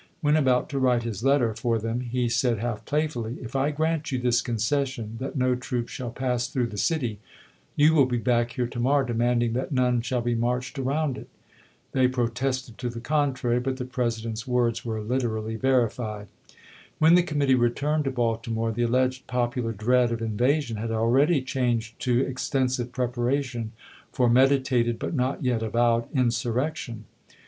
When about to write his letter for them, he said half playfully, " If I grant you this concession, that no troops shall pass through the city, you will be back here to morrow demanding that none shall be marched around it." They pro PeSonai tested to the contrary ; but the President's words ^da™ ms"' were literally verified. When the committee retui'ned to Baltimore, the alleged popular dread of invasion had already changed to extensive preparation for meditated but not yet avowed insurrection.